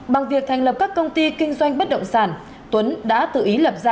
bằng việc thành lập các công ty kinh doanh bất động sản tuấn đã tự ý lập ra